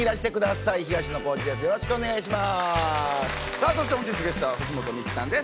さあそして本日ゲストは藤本美貴さんです。